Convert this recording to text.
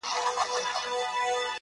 چي دولت لري صاحب د لوړ مقام دي،